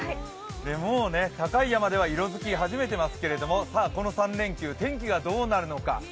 もう、高い山では色づき始めていますけれどもこの３連休、天気がどうなるのか。